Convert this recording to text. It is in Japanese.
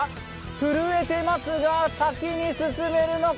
震えてますが、先に進めるのか？